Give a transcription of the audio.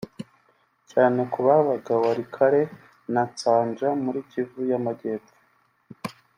cyane ku babaga walikale na Nsanja muri kivu y’Amajyepfo